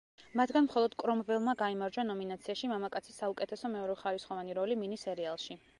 მათგან მხოლოდ კრომველმა გაიმარჯვა ნომინაციაში მამაკაცის საუკეთესო მეორეხარისხოვანი როლი მინი სერიალში.